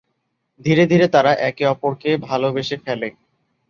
ধীরে ধীরে তারা একে অপরকে ভালবেসে ফেলে।